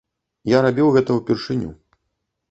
Я рабіў гэта ўпершыню.